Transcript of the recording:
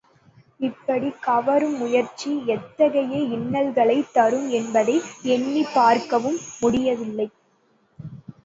இப்படிக் கவரும் முயற்சி எத்தகைய இன்னல்களைத் தரும் என்பதை எண்ணிப் பார்க்கவும் முடியவில்லை.